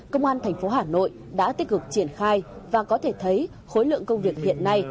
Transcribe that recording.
công an thành phố hà nội đã tích cực triển khai và có thể thấy khối lượng công việc hiện nay